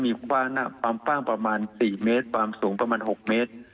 มีฝ้างประมาณ๔เมตรฝ้างสูงประมาณ๖เมตร